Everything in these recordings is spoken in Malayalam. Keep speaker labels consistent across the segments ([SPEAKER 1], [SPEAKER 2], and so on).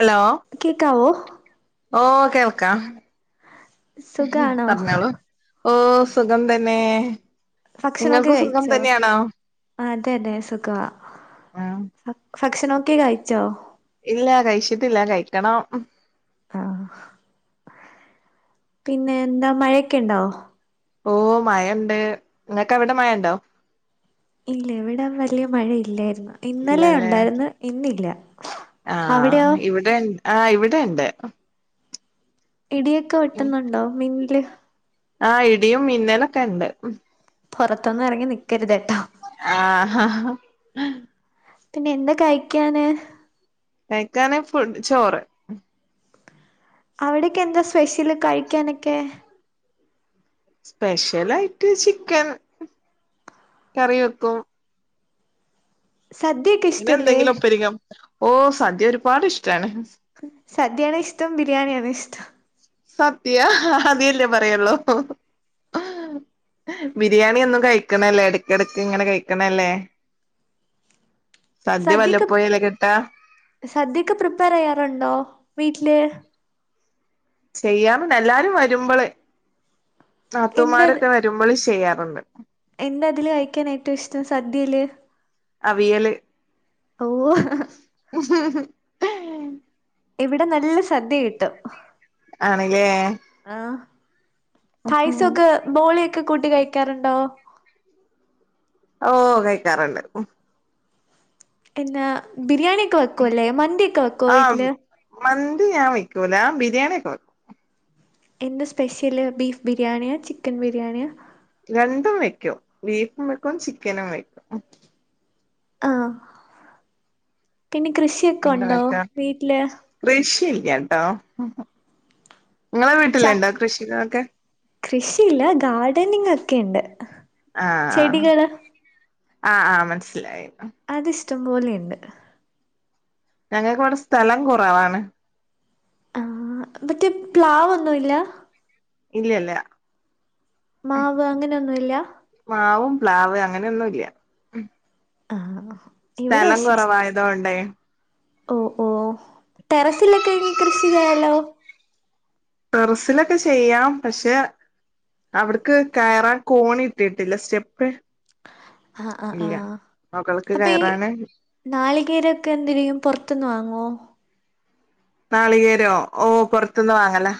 [SPEAKER 1] ഹലോ
[SPEAKER 2] കേൾക്കാവോ?
[SPEAKER 1] ഓഹ്, കേൾക്കാം
[SPEAKER 2] സുഖാണോ
[SPEAKER 1] പറഞ്ഞോളൂ. ഓഹ് സുഖം തന്നെ.
[SPEAKER 2] ഭക്ഷണൊക്കെ
[SPEAKER 1] നിങ്ങൾക്കും സുഖം
[SPEAKER 2] കഴിച്ചോ?
[SPEAKER 1] തന്നെയാണോ
[SPEAKER 2] ആ അതെ അതെ സുഖാ.
[SPEAKER 1] ഉം
[SPEAKER 2] ഭക്ഷണൊക്കെ കഴിച്ചോ?
[SPEAKER 1] ഇല്ല കഴിച്ചിട്ടില്ല, കഴിക്കണം.
[SPEAKER 2] ആഹ്, പിന്നെ എന്താ മഴയൊക്കെ ഇണ്ടോ?
[SPEAKER 1] ഓഹ്, മഴണ്ട്, ഇങ്ങൾക്ക് അവിടെ മഴ ഇണ്ടോ?
[SPEAKER 2] ഇല്ല ഇവിട വല്ല്യ മഴ ഇല്ലായിരുന്നു. ഇന്നലെ
[SPEAKER 1] ഇല്ലല്ലേ
[SPEAKER 2] ഉണ്ടായിര്ന്ന് ഇന്ന് ഇല്ല.
[SPEAKER 1] ആഹ്, ഇവിടെ ഇൻ ആ ഇവിടെ ഇണ്ട്.
[SPEAKER 2] ഇടിയൊക്കെ വെട്ടുന്നുണ്ടോ മിന്നല്?
[SPEAKER 1] ആ ഇടിയും മിന്നലൊക്കെ ഇണ്ട്.
[SPEAKER 2] പുറത്തൊന്നും ഇറങ്ങി നിക്കരുത് കേട്ടോ.
[SPEAKER 1] ആഹ് ആഹ് ഹ്
[SPEAKER 2] പിന്നെ എന്ത് കഴിക്കാന്?
[SPEAKER 1] കഴിക്കാന് ഫുഡ് ചോറ്.
[SPEAKER 2] അവിടൊക്കെ എന്താ സ്പെഷ്യല് കഴിക്കാനൊക്കെ?
[SPEAKER 1] സ്പെഷ്യലായിട്ട് ചിക്കൻ കറി വെക്കും.
[SPEAKER 2] സദ്യ ഒക്കെ
[SPEAKER 1] ഇന്നെന്തെങ്കിലും [unintelligible] ഓഹ് സദ്യ ഒരുപാട് ഇഷ്ടാണ്.
[SPEAKER 2] സദ്യാണോ ഇഷ്ടം ബിരിയാണിയാണോ ഇഷ്ടം
[SPEAKER 1] സദ്യ അതല്ലേ പറയൊള്ളൂ ബിരിയാണി എന്നും കഴിക്കണല്ലേ ഇടക്കിടക്ക് ഇങ്ങനെ കഴിക്കണല്ലേ സദ്യ വല്ലപ്പോയല്ലെ കിട്ടാ
[SPEAKER 2] സദ്യക്കെ പ്രിപ്പയറെയ്യാറുണ്ടോ വീട്ടില്
[SPEAKER 1] ചെയ്യാറുണ്ട് എല്ലാരും വരുമ്പോളെ
[SPEAKER 2] എന്താ
[SPEAKER 1] നാത്തൂമാരൊക്കെ വരു രുമ്പോള് ചെയ്യാറുണ്ട്
[SPEAKER 2] എന്താ അതില് കഴിക്കാൻ ഏറ്റവും ഇഷ്ടം സദ്യയില്
[SPEAKER 1] അവിയല്
[SPEAKER 2] ഓഹ് ഇവിടെ നല്ല സദ്യ കിട്ടും
[SPEAKER 1] ആണ് ല്ലെ
[SPEAKER 2] ആഹ് പായസൊക്കെ ബോളിയൊക്കെ കൂട്ടി കഴിക്കാറുണ്ടോ
[SPEAKER 1] ഓഹ് കഴിക്കാറുണ്ട്
[SPEAKER 2] പിന്നാ ബിരിയാണിയൊക്കെ വെക്കുവല്ലേ മന്തിയൊക്കെ വെക്കുവോ
[SPEAKER 1] ആഹ്
[SPEAKER 2] വീട്ടില്
[SPEAKER 1] മന്തി ഞാൻ വയ്ക്കൂല ബിരിയാണിയ ഒക്കെ വെക്കും
[SPEAKER 2] എന്തസ്പെഷ്യല് ബീഫ് ബിരിയാണിയാ ചിക്കൻ ബിരിയാണിയാ
[SPEAKER 1] രണ്ടും വെക്കും ബീഫും വെക്കും ചിക്കനും വെക്കും
[SPEAKER 2] ആഹ് പിന്നെ കൃഷി
[SPEAKER 1] എന്താ വക്ക കൃഷില്ല ട്ടോ ങ്ങളെ
[SPEAKER 2] ച
[SPEAKER 1] വീട്ടില്ണ്ടാ കൃഷികളൊക്കെ
[SPEAKER 2] കൃഷിയില്ല ഗാർഡനിങ് ഒക്കെ ഉണ്ട്
[SPEAKER 1] ആഹ് ആഹ്
[SPEAKER 2] ചെടികള്
[SPEAKER 1] ആഹ് ആഹ് മനസ്സിലായി
[SPEAKER 2] അത് ഇഷ്ടംപോലെയുണ്ട്
[SPEAKER 1] ഞങ്ങൾക്ക് ഇവിടെ സ്ഥലം കുറവാണ്
[SPEAKER 2] ആഹ് മറ്റേ പ്ലാവ് ഒന്നുല്ല
[SPEAKER 1] ഇല്ലല്ല
[SPEAKER 2] മാവ് അങ്ങനൊന്നുല്ല
[SPEAKER 1] മാവും പ്ലാവ് അങ്ങനൊന്നും ഇല്ല
[SPEAKER 2] ആഹ് ആഹ്
[SPEAKER 1] സ്ഥലം കുറവായതൊണ്ടേ
[SPEAKER 2] ഓഹ് ഓഹ് ടെറസിലൊക്കെ എ കൃഷി ചെയ്യാ ലോ
[SPEAKER 1] ടെറസിലൊക്കെ ചെയ്യാം പക്ഷെ അവിടക്ക് കയറാൻ കോണി ഇട്ടിട്ടില്ല സ്റ്റെപ്പ്
[SPEAKER 2] ആ ആ ആ
[SPEAKER 1] ഇല്ല മൊകൾക്ക്
[SPEAKER 2] അപ്പൊ ഈ
[SPEAKER 1] കയറാന്
[SPEAKER 2] നാളികേരൊക്കെ എന്തിനും പുറത്തുന്ന് വാങ്ങുവോ
[SPEAKER 1] നാളികേരോ ഓഹ് പുറത്തന്ന് വാങ്ങലാ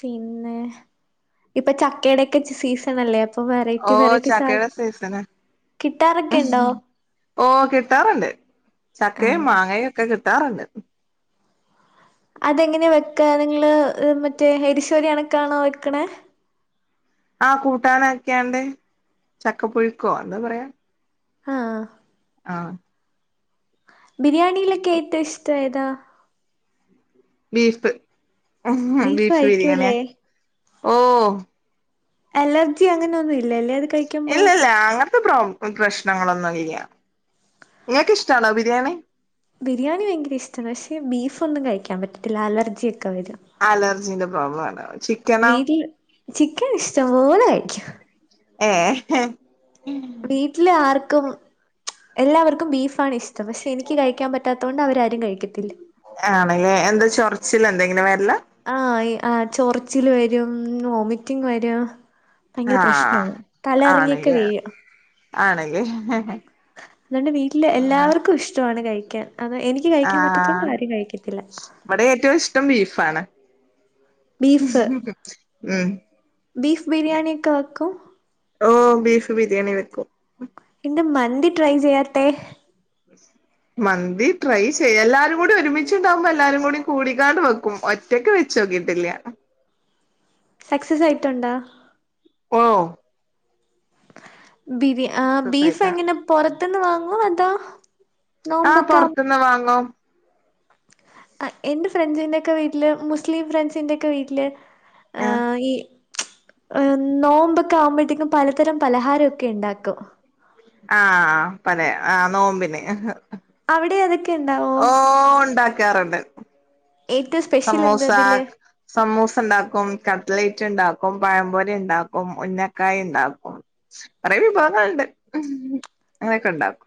[SPEAKER 2] പിന്നെ ഇപ്പൊ ചക്കയുടെക്കെ സീസണ ല്ലേ അപ്പൊ
[SPEAKER 1] ഓ
[SPEAKER 2] വെറൈറ്റി വെറൈറ്റി സാധ
[SPEAKER 1] ചക്കയുടെ സീസണ്
[SPEAKER 2] കിട്ടാറൊക്കെ ഉണ്ടോ
[SPEAKER 1] ഓഹ് കിട്ടാറുണ്ട്
[SPEAKER 2] ആ
[SPEAKER 1] ചക്കയും മാങ്ങയും ഒക്കെ കിട്ടാറുണ്ട്
[SPEAKER 2] അതെങ്ങനെയെ വെക്ക് ക്കാ നിങ്ങൾ മറ്റേ എരിശേരി അ ണക്കാണോ വയ്ക്കണേ
[SPEAKER 1] ആഹ് കൂട്ടാനാക്കിയാണ്ട് ചക്കപ്പുഴുക്കോ എന്താ പറയാ
[SPEAKER 2] ആഹ്
[SPEAKER 1] ആഹ്
[SPEAKER 2] ബിരിയാണിയിലൊക്കെ ഏറ്റോ ഇഷ്ട ഏതാ
[SPEAKER 1] ബീഫ് ബീഫ് ബിരിയാണിയ ഓ
[SPEAKER 2] അലർജി അങ്ങനെ ഒന്നും ഇല്ല ല്ലേ അത് കഴി
[SPEAKER 1] ഇല്ല ഇല്ല അങ്ങനത്തെ പ്രോ പ്രശ്നങ്ങളൊന്നും ഇല്ല്യ നിങ്ങൾക്ക് ഇഷ്ടാണോ ബിരിയാണി
[SPEAKER 2] ബിരിയാണി ഭയങ്കര ഇഷ്ടമാണ് പക്ഷേ ബീഫൊന്നും കഴിക്കാൻ പറ്റത്തി ല്ല അലർജിയൊക്കെ വരും
[SPEAKER 1] അലർജീന്റെ പ്രോബ്ലം ആണോ ചിക്
[SPEAKER 2] വീട്ടില് ചിക്കൻ ഇഷ്ടം പോലെ കഴിക്കും
[SPEAKER 1] ഏ ഏ
[SPEAKER 2] വീട്ടില് ആർക്കും എല്ലാവർക്കും ബീഫാണ് ഇഷ്ടം പക്ഷെ എനിക്ക് കഴിക്കാൻ പറ്റാത്തത് കൊണ്ട് അവരാരും കഴിക്കത്തില്ല
[SPEAKER 1] ആണല്ലേ എന്താ ചൊറച്ചിലെന്തെങ്കിലും വരിലാ
[SPEAKER 2] ആഹ് ആഹ് ചൊറച്ചില് വരും വോമിറ്റിങ് വരും ഭയങ്കര
[SPEAKER 1] ആഹ്
[SPEAKER 2] പ്രശ്നാണ് തല കറങ്ങിയൊക്കെ
[SPEAKER 1] ആണല്ലേ
[SPEAKER 2] വീഴും
[SPEAKER 1] ആണല്ലേ
[SPEAKER 2] അതുകൊണ്ട് വീട്ടില് എല്ലാവർക്കും ഇഷ്ടമാണ് കഴിക്കാൻ അ എനിക്ക് കഴിക്കാൻ പറ്റത്തുള്ള കാര്യം ആരും കഴിക്കത്തില്ല
[SPEAKER 1] ഇവടെ ഏറ്റവും ഇഷ്ടം ബീഫാണ്
[SPEAKER 2] ബീഫ് ബീഫ് ബിരിയാണി ഒക്കെ വക്കും
[SPEAKER 1] ഓഹ് ബീഫ് ബിരിയാണി വെക്കും
[SPEAKER 2] എന്താ മന്തി ട്രൈ ചെയ്യാത്തെ
[SPEAKER 1] ബസ് മന്തി ട്രൈ ചെയ്യ എല്ലാരും കൂടി ഒരുമിച്ചു ഉണ്ടാവുമ്പോ എല്ലാരും കൂടി കൂടിക്കാണ്ട് വെക്കും ഒറ്റക്ക് വെച്ച് നോക്കിയിട്ടില്ല
[SPEAKER 2] സക്സസ് ആയിട്ടുണ്ടോ
[SPEAKER 1] ഓ
[SPEAKER 2] ബിരി ആഹ് ബീഫ്
[SPEAKER 1] സുഖായിട്ടാ.
[SPEAKER 2] എങ്ങനെ പുറത്ത്ന്ന് വാങ്ങോ അതാ നോമ്പക്കെ
[SPEAKER 1] പൊറത്ത്ന്ന് വാങ്ങും
[SPEAKER 2] എന്റെ ഫ്രണ്ട്സിന്റെഒക്കെ വീട്ടില് മുസ്ലിം ഫ്രണ്ട്സിൻ്റെ ഒക്ക വീട്ടില്
[SPEAKER 1] ആഹ്
[SPEAKER 2] ഈ നോമ്പൊക്കെ ആവുമ്പോഴേക്കും പലതരം പലഹാരംഒക്കെ ണ്ടാക്കും
[SPEAKER 1] ആഹ് പലേ ആ നോമ്പിന്
[SPEAKER 2] അവിടെ അതൊക്കെ ഉണ്ടാവോ
[SPEAKER 1] ഓ ണ്ടാക്കാറുണ്ട്
[SPEAKER 2] ഏറ്റവും സ്പെഷ്യൽ
[SPEAKER 1] സമൂസ
[SPEAKER 2] എന്താ ഇതില്
[SPEAKER 1] സമൂസ ണ്ടാക്കും കട്ടലറ്റ് ണ്ടാക്കും പഴംപൊരി ണ്ടാക്കും ഉഞ്ഞക്കായ ണ്ടാക്കും കുറെേ വിഭവങ്ങൾണ്ട് അങ്ങനെക്കെ ഉണ്ടാക്കും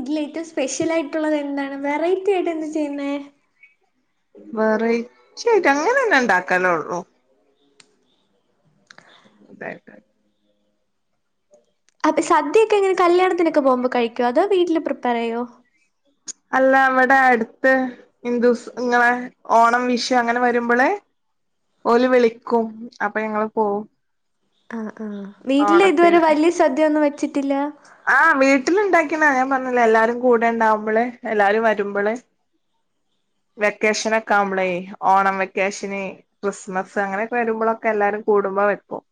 [SPEAKER 2] ഇതില ഏറ്റവും സ്പെഷ്യല് ആയിട്ടുള്ളത് എന്താണ് വെറൈറ്റി ആയിട്ട് എന്താ ചെയ്യുന്നത്
[SPEAKER 1] വെറെയ്റ്റി ആയിട്ട് അങ്ങനെന്നെ ഉണ്ടാക്കാനൊള്ളൂ തായിട്ട്
[SPEAKER 2] അപ്പ സദ്യയൊക്കെ എങ്ങനെ കല്യാണത്തിനൊക്കെ പോവുമ്പോ കഴിക്കോ അതോ വീട്ടില് പ്രിപ്പയറെയ്യോ
[SPEAKER 1] അല്ല ഇവടെ അടുത്ത് ഹിന്ദുസ് ഇങ്ങളെ ഓണം വിഷു അങ്ങനെ വരുമ്പോളേ ഓല് വിളിക്കും അപ്പൊ ഞങ്ങള് പോവും
[SPEAKER 2] ആഹ്ആഹ് വീട്ടില് ഇതുവരെ
[SPEAKER 1] ഓണത്തിന്
[SPEAKER 2] വലിയ സദ്ദ്യയൊന്നും വെച്ചിട്ടില്ല
[SPEAKER 1] ആഹ് വീട്ടിൽ ഉണ്ടാക്കിയണാ ഞാൻ പറഞ്ഞില്ലേ എല്ലാരും കൂടെ ണ്ടാവുമ്പോള് എല്ലാരും വരുമ്പോള് വെക്കേഷനഒക്കെ ആവുമ്പളേ ഓണം വെക്കേഷന് ക്രിസ്മസ് അങ്ങനെയൊഒക്കെ എല്ലാരും കൂടുമ്പോ വെക്കും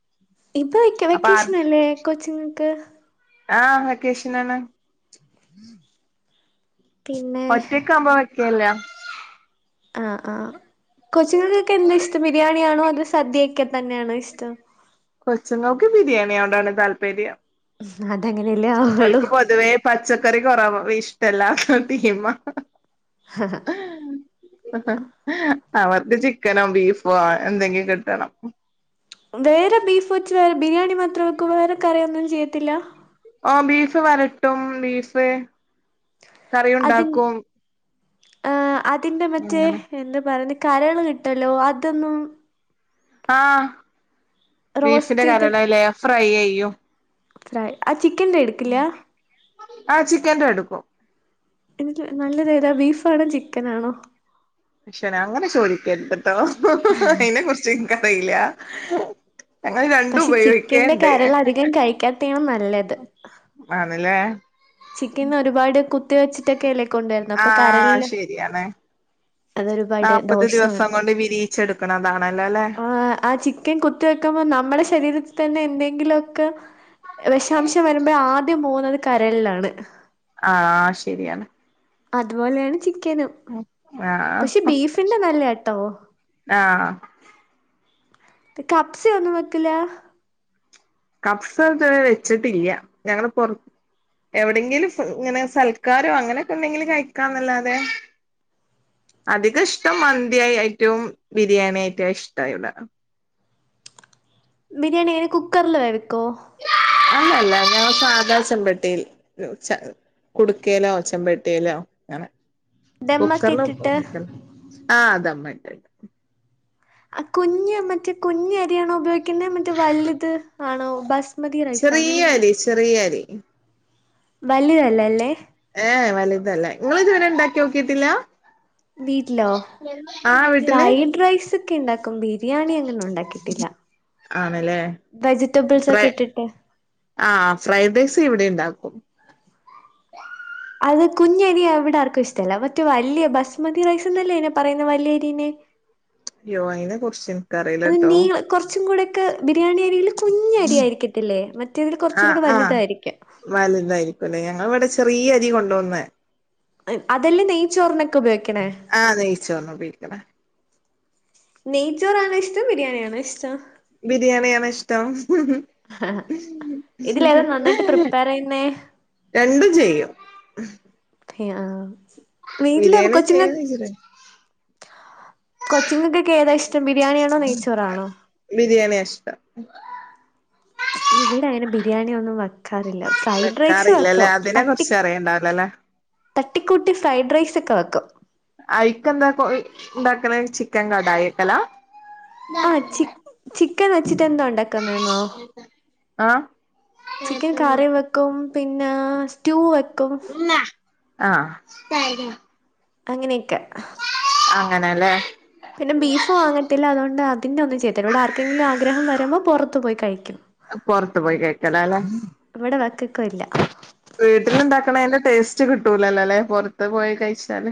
[SPEAKER 2] ഇപ്പ വെയ്ക്ക
[SPEAKER 1] അപ്പൊ ആ
[SPEAKER 2] വെക്കേഷനല്ലേ കൊച്ചുങ്ങക്ക്
[SPEAKER 1] ആഹ് വെക്കേഷനാണ്
[SPEAKER 2] പിന്നെ
[SPEAKER 1] ഒറ്റക്കാവുമ്പോ വെക്കല് ല്ല
[SPEAKER 2] ആ ആ കൊച്ചുകൾക്കൊക്കെ എന്താ ഇഷ്ടം ബിരിയാണിയാണോ അത് സദ്യയൊക്കെ തന്നെയാണോ ഇഷ്ടം
[SPEAKER 1] കൊച്ചുങ്ങക്ക് ബിരിയാണിയോടാആണ് താല്പര്യം
[SPEAKER 2] ഹും അതങ്ങനെഅല്ലെ
[SPEAKER 1] ഓൽക്ക് പൊതുവേ പച്ചക്കറി കുറവ ഇഷ്ടല്ല ടീമാ
[SPEAKER 2] ഹ് ഹാ
[SPEAKER 1] അവർക്ക് ചിക്കനോ ബീഫോ എന്തെങ്കിലും കിട്ടണം
[SPEAKER 2] വേറെ ബീഫ് വച്ച് വേറെ ബിരിയാണി മാത്രം വെക്കൂ വേറെ കറിയൊ ഒന്നും ചെയ്യത്തില്ല
[SPEAKER 1] ഓ ബീഫ് വരട്ടും ബീഫ് കറി ഉണ്ടാക്കും
[SPEAKER 2] ആ അതിന്റെ മറ്റേ
[SPEAKER 1] അങ്ങനെ
[SPEAKER 2] എന്താ പറഞ് കരള് കിട്ടല്ലോ അതൊന്നും
[SPEAKER 1] ആഹ്
[SPEAKER 2] റോസ്റ്റ്
[SPEAKER 1] ബീഫിന്റെ
[SPEAKER 2] ചെയ്ത്
[SPEAKER 1] കരളല്ലേ ഫ്രൈ ചെയ്യും
[SPEAKER 2] ഫ്രൈ ആ ചിക്കന്റെ എടുക്കില്ല
[SPEAKER 1] ആ ചിക്കന്റെ എടുക്കും
[SPEAKER 2] എന്നിട്ട് നല്ലദേതാ ബീഫാണോ ചിക്കനാണോ
[SPEAKER 1] പക്ഷന അങ്ങനെ ചോദിക്കരുത് ട്ടോ അയിനെ കുറിച്ച് ഇന്ക്ക്റിയില്ല ഞങ്ങൾ രണ്ടും
[SPEAKER 2] പക്ഷെ ചിക്കന്റെ
[SPEAKER 1] ഉപയോഗിക്കണ്ട്
[SPEAKER 2] കരൾ അധികം കഴിക്കാത്തെയാണ് നല്ലത്
[SPEAKER 1] ആണ് ലേ
[SPEAKER 2] ചിക്കൻ ഒരുപാട് കുത്തി വെച്ചിട്ടൊക്കെ അല്ലേ കൊണ്ടുവരുന്നേ അപ്പൊ
[SPEAKER 1] ആഹ്
[SPEAKER 2] കരളിന്
[SPEAKER 1] ശരിയാണ്
[SPEAKER 2] അതൊരുപാട്
[SPEAKER 1] നാല്പത്
[SPEAKER 2] ദോഷമാണ്
[SPEAKER 1] ദിവസം കൊണ്ട് വിരിയിച്ചെടുക്കണതാണല്ലോ അല്ലെ
[SPEAKER 2] ആ ആ ചി ക്കൻ കുത്തി വെക്കുമ്പോ നമ്മുടെ ശരീരത്തിൽ തന്നെ എന്തെങ്കിലുമൊക്കെ വിഷാംശം വരുമ്പോൾ ആദ്യം പോകുന്നത് കരളിലാണ്
[SPEAKER 1] ആഹ് ശരിയാണ്
[SPEAKER 2] അതുപോലെയാണ് ചിക്കനും
[SPEAKER 1] ആഹ്
[SPEAKER 2] പക്ഷെ ബീഫിന്റെ നല്ല കേട്ടോ
[SPEAKER 1] ആഹ്
[SPEAKER 2] കബ്‌സ ഒന്നും വെക്കൂല
[SPEAKER 1] കപ്സ ഇത് വരെ വെച്ചിട്ടില്ല ഞങ്ങള് പുറ എവിടെയെങ്കിലും ഇങ്ങനെ സൽക്കാരോ അങ്ങനെയൊക്കെ ഉണ്ടെങ്കിൽ കഴിക്കാന്നല്ലാതെ അധികം ഇഷ്ടം മന്തി ആയിട്ടും ബിരിയാണി ആയിട്ടും ഇഷ്ടവീടെ
[SPEAKER 2] ബിരിയാണി എങ്ങനെ കുക്കറില് വെവിക്കോ
[SPEAKER 1] അല്ലല്ല ഞങ്ങള് സാദാ ചമ്പെട്ടിൽ കുടുക്കയിലോ ചെമ്പട്ടിയിലോ അങ്ങനെ
[SPEAKER 2] ദമ്മൊക്കെ
[SPEAKER 1] കുക്കറില്
[SPEAKER 2] ഇട്ടിട്ട്
[SPEAKER 1] വെക്കില്ല ആഹ് തമ്മട്ട്
[SPEAKER 2] കുഞ്ഞ് മറ്റേ കുഞ്ഞ അരിയാണോ ഉപയോഗിക്കുന്നത് മറ്റേ വലുത് ആണോ ബസ്
[SPEAKER 1] ചെറിയ അരി ചെറിയ അരി
[SPEAKER 2] വലുതല്ല അല്ലേ
[SPEAKER 1] ഏഹ വലുതല്ല നിങ്ങള് ഇതുവരെ ഉണ്ടാക്കി നോക്കിട്ടില്ല
[SPEAKER 2] വീട്ടിലോ
[SPEAKER 1] ആഹ
[SPEAKER 2] ഫ്രൈഡ് റൈസ് ഒക്കെ ഉണ്ടാക്കും ബിരിയാണി അങ്ങനെ ഉണ്ടാക്കിയിട്ടില്ല
[SPEAKER 1] ആണല്ലേ
[SPEAKER 2] വെജിറ്റബിൾസ് ഒക്കെ ഇട്ടിട്ട്
[SPEAKER 1] ആ ഫ്രൈഡ് റൈസ് ഇവിടെ ഉണ്ടാക്കും
[SPEAKER 2] അത് കുഞ്ഞരി ഇവിടെ ആർക്കും ഇഷ്ടമല്ല മറ്റേ വല്യ ബസ്മതി റൈസ് അല്ലേ ഇതിനെ പറയുന്ന വലിയ അരിനെ [inaudible]
[SPEAKER 1] അയ്യോ അയിനെ കുറിച്ച് എനിക്ക് അറിയില്ല
[SPEAKER 2] തീനു കുറച്ചും കൂടെയൊക്കെ ബിരിയാണി അരിയിൽ കുഞ്ഞ അരിയയിരിക്കതില്ലേ മറ്റേതി കുറച് കൂടി വലുതായിരിക്കും
[SPEAKER 1] വാലുതായിരിക്കുംല്ലേ ഞങ്ങൾ ഇവിടെ ചെറിയ അരി കൊണ്ടന്നേ
[SPEAKER 2] അതല്ലാം നെയ്ച്ചോറിനൊക്കെ ഉപയോഗിക്കണേ
[SPEAKER 1] ആഹ് നെയ്ച്ചോറിന് ഉപയോഗിക്ണ
[SPEAKER 2] നെയ്ച്ചോറാണോ ഇഷ്ടം ബിരിയാണിയാണോ ഇഷ്ടം
[SPEAKER 1] ബിരിയാണിയാണ് ഇഷ്ടം ഹ്ഹ്
[SPEAKER 2] ആ ഇതിലെതാ നന്നായിട്ട് പ്രിപ്പയർ ചെയ്യുന്നേ
[SPEAKER 1] രണ്ടും ചെയ്യും
[SPEAKER 2] ആ വീട്ടില്
[SPEAKER 1] ബിരിയാണി
[SPEAKER 2] കൊച്ചിങ്ങക്ക്
[SPEAKER 1] ചെയ്യന്ന് വെച്ചിട്ട
[SPEAKER 2] കൊച്ചിങ്ങൾക്കൊക്കെ ഏതാ ഇഷ്ടം ബിരിയാണിയാണോ നെയ്ച്ചോറാണോ
[SPEAKER 1] ബിരിയാണിയ ഇഷ്ടം
[SPEAKER 2] ഇവിടെ അങ്ങനെ ബിരിയാണി ഒന്നും വെക്കാറില്ല ഫ്രൈഡ് റൈസ്
[SPEAKER 1] വെക്കാറില്ലല്ലേ
[SPEAKER 2] വെക്കും
[SPEAKER 1] അതിനെ
[SPEAKER 2] തട്ടി
[SPEAKER 1] കുറിച്ച് അറിയണ്ടാവില്ലല്ലേ
[SPEAKER 2] തട്ടിക്കൂട്ടി ഫ്രൈഡ് റൈസ് ഒക്കെ വെക്കും
[SPEAKER 1] അയിക്ക് എന്താ ഉണ്ടാക്കൽ ചിക്കൻ കടായി വെക്കല
[SPEAKER 2] ആ ചിക്ക് ചിക്കൻ വെച്ചിട്ട് എന്താ ഉണ്ടാക്കന്നണോ
[SPEAKER 1] ആഹ്
[SPEAKER 2] ചിക്കൻ കറി വെക്കും പിന്നെ സ്റ്റൂ വെക്കും
[SPEAKER 1] ആഹ്
[SPEAKER 2] അങ്ങനെയൊക്കെ
[SPEAKER 1] അങ്ങനെ ല്ലേ
[SPEAKER 2] പിന്നെ ബീഫ് വാങ്ങത്തില്ല അതുകൊണ്ട് അതിന്റെ ഒന്നും ചെയ്തില്ലാ ഇവിടെ ആർക്കെങ്കിലും ആഗ്രഹം വരുമ്പോൾ പുറത്തു പോയി കഴിക്കും
[SPEAKER 1] പുറത്ത് പോയി കൈക്കല ല്ലേ
[SPEAKER 2] ഇവിടെ വെക്കൊക്കെ ഇല്ല
[SPEAKER 1] വീട്ടിലുണ്ടാക്കണതിന്റെ ടേസ്റ്റ് കിട്ടൂലല്ലോ അല്ലെ പുറത്ത് പോയി കഴിച്ചാൽ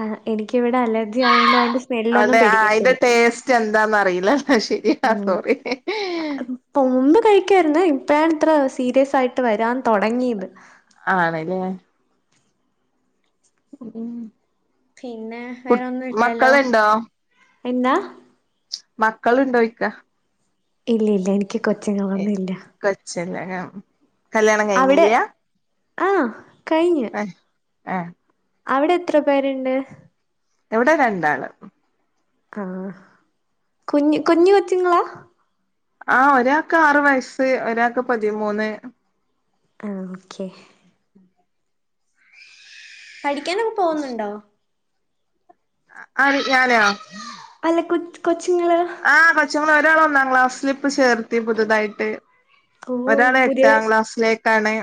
[SPEAKER 2] ആ എനിക്ക് ഇവിടെ അലർജി ആയതോണ്ട് അതിന്റെ സ്മെല്ലൊന്നും
[SPEAKER 1] അതെ അതിന്റെ
[SPEAKER 2] പിടിക്കത്തില്ല.
[SPEAKER 1] ടേസ്റ്റ് എന്താണന്ന് അറിയില്ലല്ലോ ശരിയാ
[SPEAKER 2] ഉം.
[SPEAKER 1] സോറി ഹ്ഹ്
[SPEAKER 2] ഇപ്പൊ മുമ്പ് കഴിക്കാരുന്നു ഇപ്പഴാണ് ഇത്ര സീരിയസായിട്ട് വരാൻ തുടങ്ങിയത്
[SPEAKER 1] ആണല്ലേ മ്
[SPEAKER 2] പിന്നെ വേറെ ഒന്നും ഇല്ലാലോ
[SPEAKER 1] മക്കളുണ്ടോ
[SPEAKER 2] എന്താ
[SPEAKER 1] മക്കളുണ്ടോയിക്ക
[SPEAKER 2] ഇല്ല ഇല്ല എനിക്ക് കൊച്ചിങ്ങൾ ഒന്നും ഇല്ല
[SPEAKER 1] കൊച്ചല്ല കല്യാണം കഴിഞ്ഞില്ലാ
[SPEAKER 2] ആഹ് കഴിഞ്ഞു
[SPEAKER 1] ആഹ്
[SPEAKER 2] അവിടെ എത്ര പേരുണ്ട്
[SPEAKER 1] ഇവിടെ രണ്ടാൾ
[SPEAKER 2] ആഹ് കുഞ്ഞ് കുഞ്ഞ് കൊച്ചുങ്ങളാ
[SPEAKER 1] ആഹ് ഒരാൾക്ക് ആറ് വയസ്സ് ഒരാൾക്ക് പതിമൂന്ന്
[SPEAKER 2] ആഹ് ഓക്കെ പഠിക്കാനൊക്കെ പോകുന്നുണ്ടോ
[SPEAKER 1] ആര് ഞാനോ
[SPEAKER 2] അല്ല കൊ കൊച്ചുങ്ങൾ
[SPEAKER 1] ആഹ് കൊച്ചുങ്ങൾ ഒരാള് ഒന്നാ ക്ലാസില് ഇപ്പൊ ചേർത്ത് ത്തി പുതുതായിട്ട്
[SPEAKER 2] ഓ
[SPEAKER 1] ഒരാള് എട്ടാം
[SPEAKER 2] പുതിയതായി
[SPEAKER 1] ക്ലാസ്സിലേക്കാണ്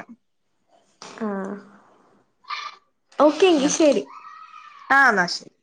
[SPEAKER 2] ആഹ് ഓക്കെങ്കി
[SPEAKER 1] അങ്ങനെ
[SPEAKER 2] ശരി
[SPEAKER 1] ആഹ് ന്നാ ശരി